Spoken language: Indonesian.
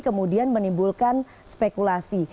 kemudian menimbulkan spekulasi